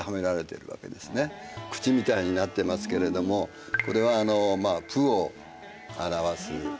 口みたいになってますけれどもこれは「プ」を表す。